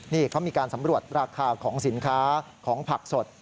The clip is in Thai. นี่เขามีการสำรวจราคาของสินค้าของผักสด